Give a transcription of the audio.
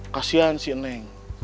kasian si eneng